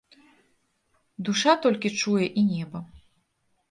Душа толькі чуе і неба.